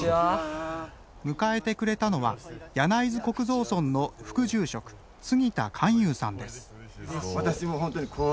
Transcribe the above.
迎えてくれたのは柳津虚空蔵尊の副住職杉田観雄さんです。